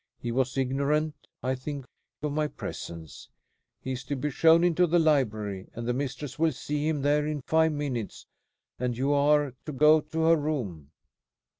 He was ignorant, I think, of my presence. "He is to be shown into the library, and the mistress will see him there in five minutes; and you are to go to her room.